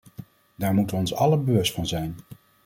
Daar moeten we ons allen bewust van zijn.